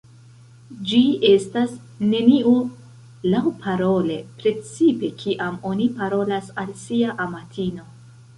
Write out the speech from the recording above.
Ĝi estas nenio laŭparole, precipe kiam oni parolas al sia amatino.